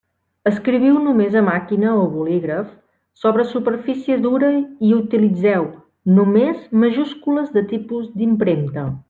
Escriviu només a màquina o bolígraf sobre superfície dura i utilitzeu només majúscules de tipus d'impremta.